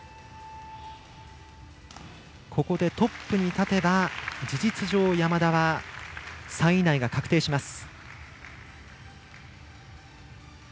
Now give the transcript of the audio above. ここでトップに立てば事実上、山田は３位以内が確定します。